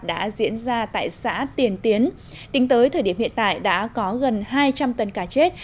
đã diễn ra tại xã tiền tiến tính tới thời điểm hiện tại đã có gần hai trăm linh tấn cá chết